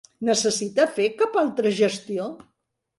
Necessita fer cap altra gestió?